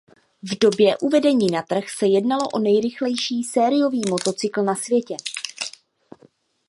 V době uvedení na trh se jednalo o nejrychlejší sériový motocykl na světě.